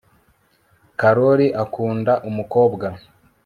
karori akunda umukobwa